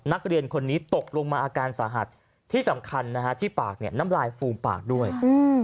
นักเรียนคนนี้ตกลงมาอาการสาหัสที่สำคัญนะฮะที่ปากเนี่ยน้ำลายฟูมปากด้วย